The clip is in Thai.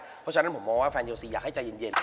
เพราะฉะนั้นผมมองว่าแฟนเลซีอยากให้ใจเย็น